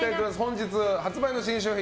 本日発売の新商品